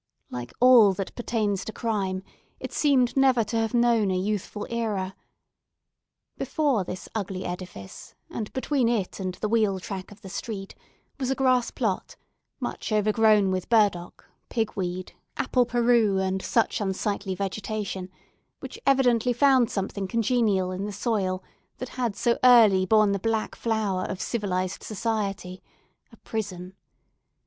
Like all that pertains to crime, it seemed never to have known a youthful era. Before this ugly edifice, and between it and the wheel track of the street, was a grass plot, much overgrown with burdock, pig weed, apple pern, and such unsightly vegetation, which evidently found something congenial in the soil that had so early borne the black flower of civilised society, a prison.